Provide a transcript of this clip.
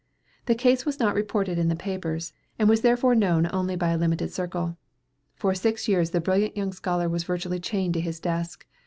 The case was not reported in the papers, and was therefore known only by a limited circle. For six years the brilliant young scholar was virtually chained to his desk.